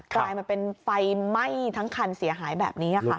กลายมาเป็นไฟไหม้ทั้งคันเสียหายแบบนี้ค่ะ